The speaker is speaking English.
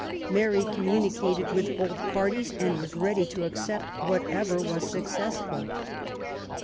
Mary communicated with both parties, and was ready to accept whatever was successful.